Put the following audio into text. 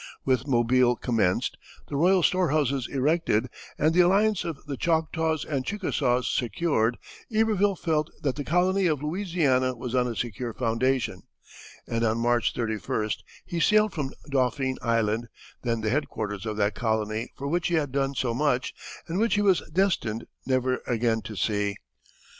With Mobile commenced, the royal storehouses erected, and the alliance of the Choctaws and Chickasaws secured, Iberville felt that the colony of Louisiana was on a secure foundation, and on March 31st he sailed from Dauphine Island, then the headquarters of that colony for which he had done so much, and which he was destined never again to see.